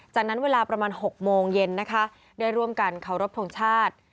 จากนั้นเวลาประมาณ๖โมงเย็นนะคะได้ร่วมกันเคารพทงชาติ